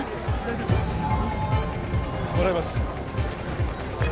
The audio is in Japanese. うん？もらいます